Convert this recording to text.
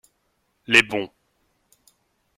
Les bons.